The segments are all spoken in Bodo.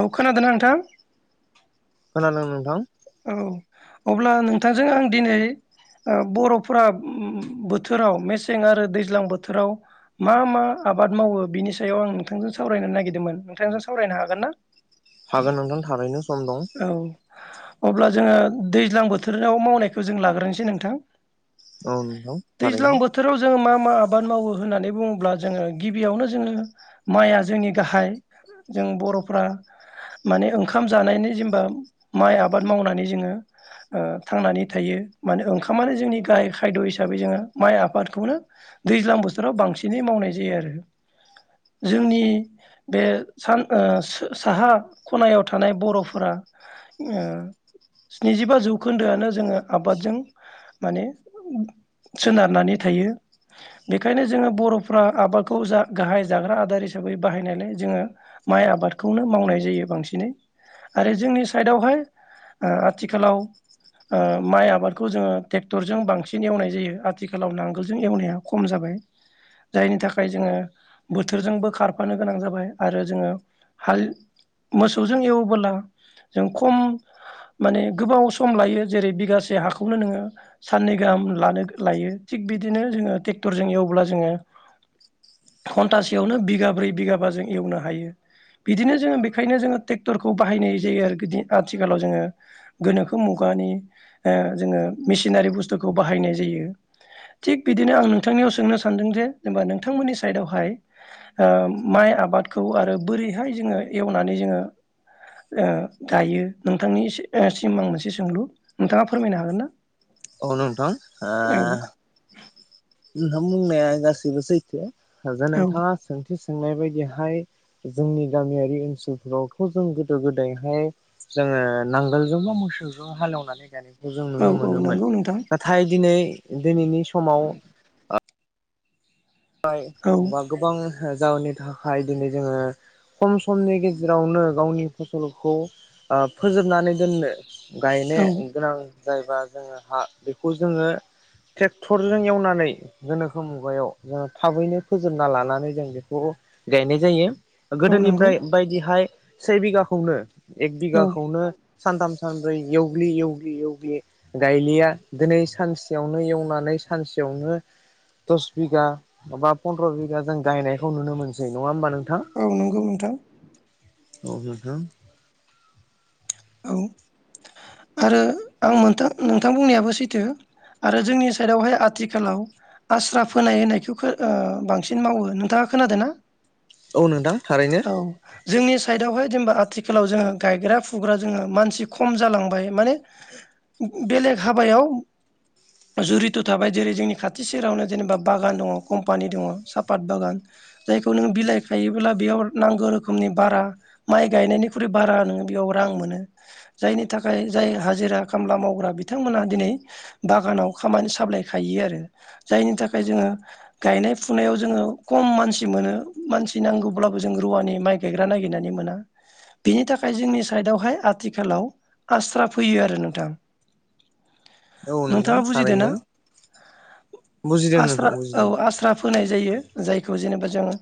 औ खोनादों ना नोंथां? खोनादों नोंथां। औ अब्ला नोंथांजों आं दिनै बर'फ्रा बोथोराव मेसें आरो दैज्लां बोथोराव मा मा आबाद मावो बिनि सायाव आं नोंथांजों सावरायनो नागिरदोंमोन। नोंथांजों सावरायनो हागोन ना? हागोन नोंथां थारैनो सम दं औ। अब्ला जोङो दैज्लां बोथोराव मावनायखौ जों लाग्रोनोसै नोंथां। औ नोंथां दैज्लां थारैनो बोथोराव जोङो मा मा आबाद मावो होननानै बुङोब्ला जोङो गिबियावनो जोङो माइआ जोंनि गाहाय जों बर'फ्रा माने ओंखाम जानायनि जेमबा माइ आबाद मावनानै जोङो ओ थांनानै थायो माने ओंखामानो जोंनि गाहाय खायद' हिसाबै जोङो माइ आबादखौनो दैज्लां बोथोराव बांसिनै मावनाय जायो आरो जोंनि बे सान ओ साहा खनायाव थानाय बर' बोला ओ स्निजिबा जौखोन्दोआनो जोङो आबादजों माने सोनारनानै थायो बेखायनो जोङो बर'फ्रा आबादखौ जा गाहाय जाग्रा आदार हिसाबै बाहायनायलाय जोङो माइ आबादखौनो मावनाय जायो बांसिनै आरो जोंनि साइदावहाय ओ आथिखालाव ओ माइ आबादखौ जोङो ट्रेक्टरजों बांसिन एवनाय जायो आथिखालाव नांगोलजों एवनाया खम जाबाय जायनि थाखाय जोङो बोथोरजोंबो खारफानो गोनां जाबाय आरो जोङो हाल मोसौजों एवबोला जों खम माने गोबाव सम लायो जेरै बिगासे हाखौनो नोङो साननै गाहाम लानो लायो थिग बिदिनो जोङो ट्रेक्टरजों एवब्ला जोङो घन्टासेयावनो बिगाब्रै बिगाबा जों एवनो हायो बिदिनो जोङो बेखायनो जोङो ट्रेक्टरखौ बाहायनाय जायो आरो आथिखालाव जोङो गोनोखो मुगानि जोङो मेसिनारि बुस्थुखौ बाहायनाय जायो थिग बिदिनो आं नोंथांनियाव सोंनो सानदों जे जेनेबा नोंथांमोननि साइदावहाय ओ माइ आबादखौ आरो बोरैहाय जोङो एवनानै जोङो ओ दायो नोंथांनि सिम आं मोनसे सोंलु नोंथाङा फोरमायनो हागोन ना? औ नोंथां ओ औ नोंथां बुंनाया गासैबो सैथो। जे औ नोंथाङा सोंथि सोंनाय बायदिहाय जोंनि गामियारि ओनसोलफोरावथ' जों गोदो गोदायहाय जोङो नांगोलजोंबो मोसौ बेव हालौनानै गायनाय जों औ नुनो औ मोनोमोन नंगौ नोंथां नाथाय दिनै दिनैनि समाव हाय औ बा गोबां थो जाअननि थाखाय दिनै जोङो खम समनि गेजेरावनो गावनि फसलखौ ओ फोजोबनानै दोननो गायनो औ गोनां जायोबा जोङो हा बेखौ जोङो टेक्टरजों एवनानै गोनोखो मुगायाव जोङो थाबैनो फोजोबना लानानै जों बेखौ गायनाय जायो। औ नंगौ गोदोनिफ्राय बायदिहाय सै बिगाखौनो एक औ बिगाखौनो सानथाम सानब्रै एवग्लि एवग्लि एवग्लि गायलिया दोनै सानसेयावनो एवनानै सानसेयावनो दस बिगा माबा पन्द्र' बिगा जों गायनायखौ नुनो मोनसै नङा होमबा नों औ नंगौ नोंथां। औ नोंथां। औ आरो आं मोनथा नोंथां बुंनायाबो सैथो आरो जोंनि साइदआवहाय आथिखालाव आस्रा फोनाय होनायखौ खो ओ बांसिन मावो नोंथाङा खोनादो ना? औ नोंथां थारैनो। औ जोंनि साइडआवहाय जेनेबा आथिखालाव जोङो गायग्रा फुग्रा जोङो मानसि खम जालांबाय माने बेलेग हाबायाव जुरित' थाबाय जेरै जोंनि खाथि सेरावनो जेनेबा बागान दङ कम्पानि दङ सापात बागान जायखौ नोङो बिलाइ खायोब्ला बेयाव नांगौ रोखोमनि बारा माइ गायनायनिख्रुइ बारा नोङो बेयाव रां मोनो जायनि थाखाय जाय हाजिरा खामला मावग्रा बिथांमोनहा दिनै बागानाव खामानि साबलाय खायो आरो जायनि थाखाय जोङो गायनाय फुनायाव जोङो खम मानसि मोनो मानसि नांगौब्लाबो जों रुवानि माइ गायग्रा नागिरनानै मोना बेनि थाखाय जोंनि साइदआवहाय आथिखालाव आस्रा फैयो आरो नोंथां। औ नोंथां नोंथाङा बुजिदो ना थारैनो बुजिदों आस्रा नोंथां औ बुजिदों आस्रा फोनाय जायो। जायखौ जेनेबा जों ओ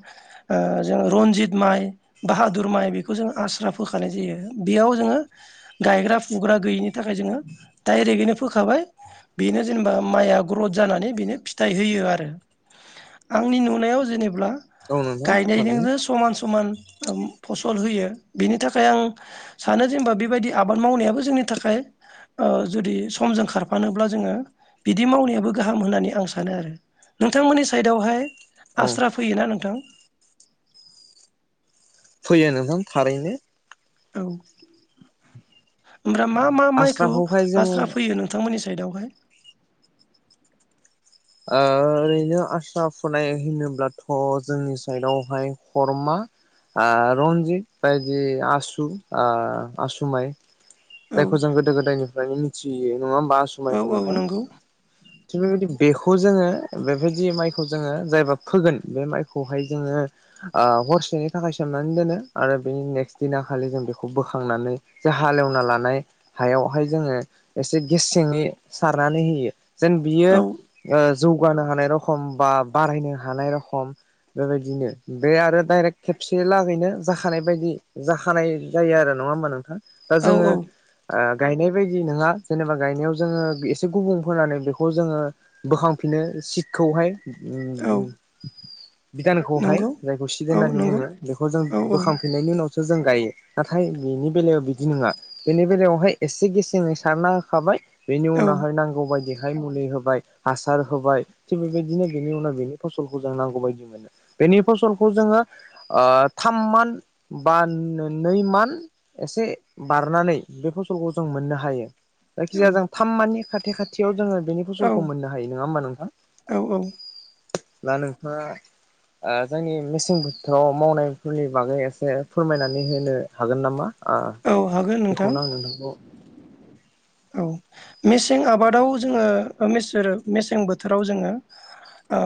जों रनजित माइ बाहादुर माइ बेखौ जों आस्रा फोखानाय जायो। बेयाव जोङो गायग्रा फुग्रा गैयिनि थाखाय जोङो डाइरेक्टयैनो फोखाबाय बेनो जेनेबा माइआ ग्रथ जानानै बेनो फिथाइ होयो आरो आंनि नुनायाव जेनेब्ला औ नोंथां थारैनो गायनायजोंनो समान समान उम फसल होयो बेनि थाखाय आं सानो जेनबा बेबायदि आबाद मावनायाबो जोंनि थाखाय ओ जुदि समजों खारफानोब्ला जोङो बिदि मावनायाबो गाहाम होननानै आं सानो आरो नोंथांमोननि सायेदावहाय औ आस्रा फैयोना नोंथां फैयो नोंथां थारैनो औ ओमफ्राय मा मा माइखौ आस्राखौहाय जोङो आस्रा फैयो नोंथांमोननि सायेडावहाय आ ओरैनो आस्रा फुनाय होनोब्लाथ' जोंनि सायेडावहाय खरमा आ रन्जित बायदि आसु ओ आसुमाइ औ जायखौ जों गोदो गोदायनि फ्रायनो मोथियो नङा होम बा आसु औ माइखौ औ नोंथां नंगौ थिख बेबायदिनो बेखौ जोङो बेबायदि माइखौ जोङो जायबा फोगोन बे माइखौहाय जोङो ओ हरसेनि थाखाय सोमनानै दोनो आरो बेनि नेक्स्ट दिना खालि जों बेखौ बोखांनानै जा हालेवना लानाय हायावहाय जोङो एसे गेसेङै सारनानै होयो जेन बियो औ ओ जौगानो हानाय रखम बा बारायनो हानाय रखम बेबायदिनो बे आरो दडायरेक्ट खेबसे लागैनो जाखानाय बायदि जाखानाय जायो आरो नङा होमबा नोंथां दा औ जोङो औ ओ गायनाय बायदि नङा जेनेबा गायनायाव जोङो एसे गुबुं फोनानै बेखौ जोङो बोखांफिनो सिटखौहाय औ उम बिधानखौहाय नंगौ जायखौ सिद औ होन्नानै नंगौ बुङो बेखौ जों औ औ बोखांफिननायनि उनाव थ' जों गायो नाथाय बिनि बेलायाव बिदि नङा बेनि बेलायावहाय एसे गेसें सारना होखाबाय बेनि औ उनावहाय नांगौ बायदि बेहाय मुलि होबाय हासार होबाय थिग बेबायदिनो बेनि उनाव बेनि फसलखौ जों नांगौ बायदि मोनो बेनि फसलखौ जोङो ओ थाम मानथ बा नै मानथ एसे बारनानै बे फसलखौ जों मोननो हायो जायखिजाया जों थाम माननि खा खाथियाव जोङो बेनि औ खम मोननो हायो नङा होमबा नोंथां औ औ दा नोंथाङा ओ जोंनि मेसें बोथोराव मावनायफोरनि बागै एसे फोरमायनानै होनो हागोन नामा ओ औ हागोन नोंथां बेखौनो आं नोंथांखौ औ मेसें आबादाव जोङो ओ मे जेरो मेसें बोथोराव जोङो ओ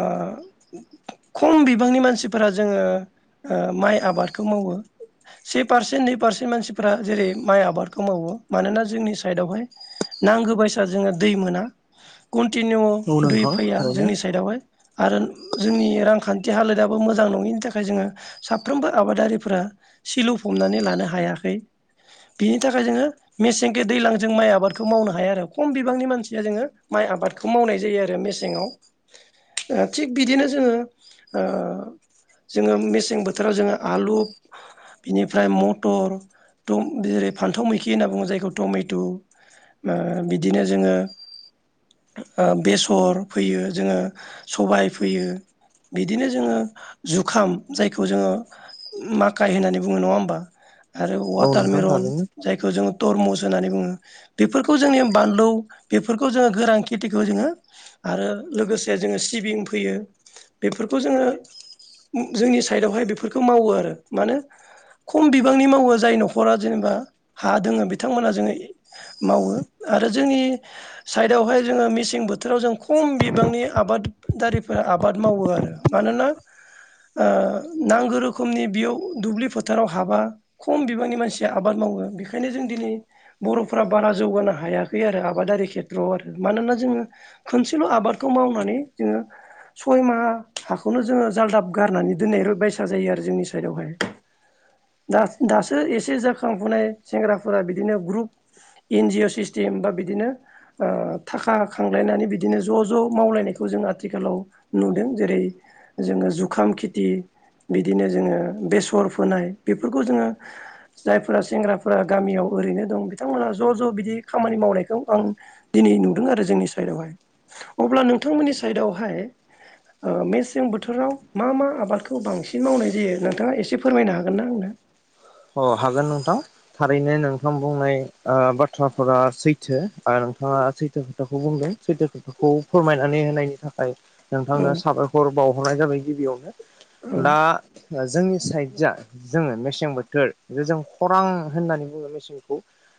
खम बिबांनि मानसिफोरा जोङो ओ माइ आबादखौ मावो से पारसेन्ट नै पारसेन्ट मानसिफोरा जेरै माइ आबादखौ मावो मानोना जोंनि सायेदावहाय नांगौबायसा जोङो दै मोना कन्टिनिउ औ दै नोंथां फैया थारैनो जोंनि सायेदावहाय आरो जोंनि रांखान्थि हालोदाबो मोजां नङिनि थाखाय जोङो साफ्रोमबो आबादारिफोरा सिलु फबनानै लानो हायाखै बिनि थाखाय जोङो मेसेंगे दैज्लां जों माइ आबाद खौ मावनो हाया आरो खम बिबांनि मानसिया जोङो माइ आबादखौ मावनाय जायो आरो मेसेङाव थिग बिदिनो जोङो ओ जोङो मेसें बोथोराव जोङो आलु बिनिफ्राय मथर जेरै फान्थाव मैखि होनना बुङो जायखौ टमेट। ओ बिदिनो जोङो ओ बेसर फैयो जोङो सबाय फोयो बिदिनो जोङो जुखाम जायखौ जोङो माखाइ होननानै बुङो नङा होमबा? आरो औ वाटार नोंथां मेरन थारैनो जायखौ जोंङो थरमुस होननानै बुङो। बेफोरखौ जोंनि बानलु बेफोरखौ जोङो गोरान खेथिखौ जोङो आरो लोगोसे जोङो सिबिं फैयो बेफोरखौ जोङो जोंनि साइदावहाय बेफोरखौ मावो आरो मानो खम बिबांनि मावो जाय न'खरा जेनेबा हा दोङो बिथांमोनहा जोङो मावो आरो जोंनि साइडआवहाय जोङो मेसें बोथोराव जों खम बिबांनि आबादारिफोरा आबाद मावो आरो मानोना ओ नांगौ रोखोमनि बेयाव दुब्लि फोथाराव हाबा खम बिबांनि मानसिया आबाद मावो बेखायनो जों दिनै बर' फुरा बारा जौगानो हायाखै आरो आबादारि खेथ्रआव आरो मानोना जोङो खनसेल' आबादखौ मावनानै जोङो सय माहा हाखौनो जोङो जालदाब गारनानै दोननाय बायसा जायो आरो जोंनि साइदआवहाय दास दासो एसे जाखांफुनाय सोरबा सोरबा बिदिनो ग्लुब एन जि अ सिस्टीम बा बिदिनो ओ थाखा खांलायनानै बिदिनो ज' ज' मावलायनायखौ जों आथिखालाव नुदों जेरै जोङो जुखाम खेथि बिदिनो जोङो बेसर फोनाय बेफोरखौ जोङो जायफोरा सेंग्राफ्रा गामियाव ओरैनो दं। नोंथांमोना ज' ज' बिदि खामानि मावनायखौ आं दिनै नुदों आरो जोंनि साइदआवहाय अब्ला नोंथांमोननि साइदआवहाय ओ मेसें बोथोराव मा मा आबादखौ बांसिन मावनाय जायो नोंथाङा एसे फोरमायनो हागोन ना आंनो? अह हागोन नोंथां थारैनो नोंथां बुंनाय ओ बाथ्राफोरा सैथो नोंथाङा सैथो खोथाखौ बुंदों सैथो खोथाखौ फोरमायनानै होनायनि थाखाय नोंथांनो औ साबायखर बाव हरनाय जाबाय गिबियावनो। औ दा जोंनि साइड जा जोङो मेसें बोथ बो थोर ज जों खरां होननानै बुङो मेसेंखौ।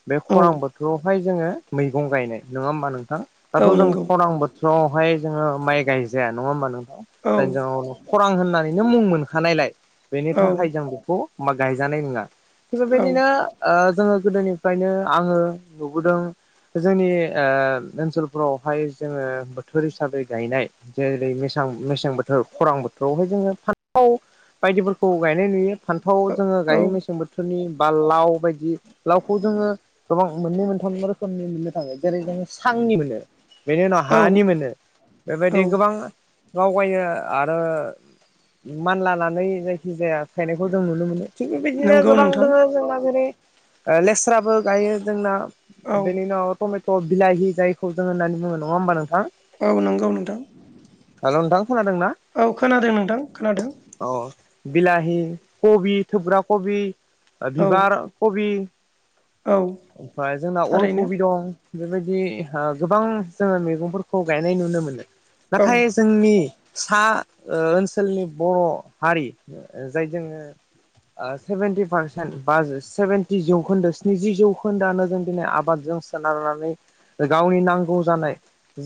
बे औ खरां बोथोरावहाय जोङो मैगं गायनाय नङा होमबा नों थां दाथ' औ जों नंगौ खरां बोथोराव बेहाय जोङो माइ गायजाया नङा होमबानो औ नों [unintelligible] खरां होननानैनो मुं मोनखानायलाय बेनि औ थाखाय जों बेखौ मा गाय जानाय नङा। बेफोरबायदिनो ओ जोङो गोदोनिफ्रायनो आङो नुबोदों जोंनि ओ ओनसोलफ्रावहाय जोङो बोथोर हिसाबै गायनाय जेरै मेसां मेसें बोथोर खरां बोथोरावहाय जोङो फान्थाव बायदिफोरखौ गायनाय नुयो फान्थ जोङो औ औ गायो मेसें बोथोरनि बा लाव बायदि लावखौ जोङो गोबां मोननै मोनथाम रोखोमनि मोननो थाङो जेरै जोङो सांनि मोनो बेनि उनाव औ हानि मोनो औ बेबायदि गोबां दावगायो आरो मान लानानै जायखि जाया गायनायखौ जों नुनो मोनो। थिग बेबायदिनो नंगौ गोबां नोंथां दङ जोंहा जेरै ओ लेस्राबो गायो जोंना। औ बेनि उनाव थमे थ' बिलाहि जायखौ जों होननानै बुङो नङा होमबा नोंथां? औ नंगौ नोंथां हेलौ नोंथां खोनादोंना औ खोनादों नोंथां खोनादों औ बिलाहि कबि थोब्रा खबि औ बिभार कबि औ ओमफ्राय जोंना अल थारैनो कबि दं बेबायदि गोबां जोंङो मैगंफोरखौ गायनाय नुनो मोनो औ नाथाय जोंनि सा ओनसोलनि बर हारि जाय जोंङो सेभेेनटि पारसेन्ट बा सेभेेनटि जौखोन्दो स्निजि जौखोन्दोआानो जों दिनै आबादजों सोनारनानै गावनि नांगौ जानाय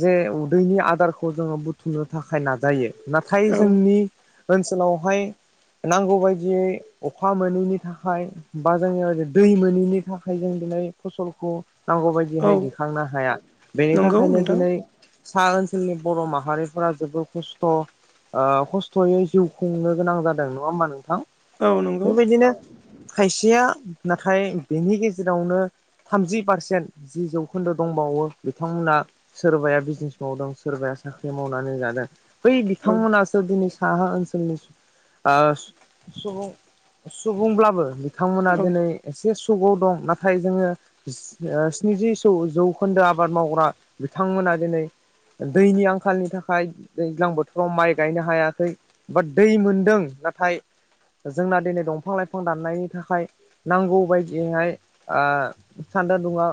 जे उदैनि आदारखौ जोंङो बुथुमनो थाखाय नाजायो नाथाय औ जोंनि ओनसोलावहाय नांगौ बायदियै अखा मोनैनि थाखाय बा जोंङनि ओरै दै मोनैनि थाखाय जों दिनै फसलखौ औ नांगौबायदिहाय दैखांनो हाया बेनि नंगौ थाखायनो नोंथां दिनै सा ओनसोलनि बर माहारिफोरा जोबोर खस्थआ खस्थ'यै जिउ खुंनो गोनां जादों नंङा होमबा नोंथां औ नंगौ बेबायदिनो खायसेया नाथाय बेनि गेजेरावनो थामजि पारसेन्ट जि जौखोन्दो दंबावो बिथांमोना सोरबाया बिजनेस मावदों सोरबाया साख्रि मावनानै जादों बै औ बिथांमोनासो दिनै सहा ओनसोलनि आ सुबुं सुबुंब्लाबो बिथांमोना औ दिनै एसे [unintelligible] दं नाथाय जोंङो स्निजि जौखोन्दो आबाद मावग्रा बिथांमोना दिनै दैनि आंखालनि थाखाय दैज्लां बोथोराव माइ गायनो हायाखै बाट दै मोनदों नाथाय जोंना दिनै दंफां लाइफां दाननायनि थाखाय नांगौ बायदियैहाय आ सान्दा दुङा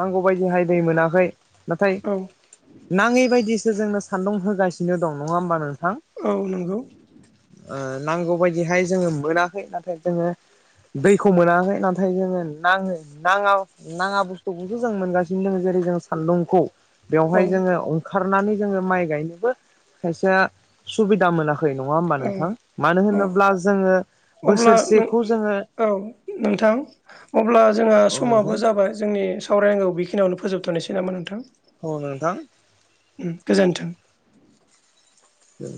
नांगौ बायदिहाय दै मोनाखै नाथाय औ नांङै बायदि बिसो जोंनो सान्दुं होगासिनो दं नंङा होमबानो औ नंगौ ओ नांगौ बायदिहाय जोंङो मोनाखै नाथाय जोंङो दैखौ मोनाखै नाथाय जोंङो नांङो नांङा नांङा बुस्थुखौसो जों मोनगासिनो दंङ जेरै जों सान्दुंखौ औ बेवहाय जोंङो अंखारनानै जोंङो माइ गायनोबो खायसेआ सुबिदा मोनाखै [unintelligible] नंङा होमबा औ नोंथां मानो औ होनोब्ला जोङो अब्ला नों बोसोरसेखौ जोङो औ नोंथां अब्ला जोंहा औ नोंथां समाबो जाबाय जोंनि सावरायनांगौ बेखिनियावनो फोजोब दथसै नामा नोंथां औ नोंथां उम गोजोन्थों उम।